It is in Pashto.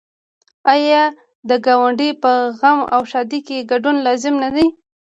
آیا د ګاونډي په غم او ښادۍ کې ګډون لازمي نه دی؟